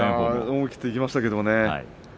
思い切っていきましたけどね。